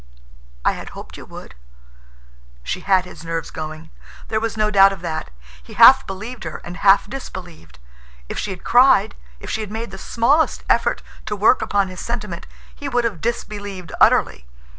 "I had hoped you would." She had his nerves going. There was no doubt of that. He half believed her and half disbelieved. If she had cried, if she had made the smallest effort to work upon his sentiment, he would have disbelieved utterly.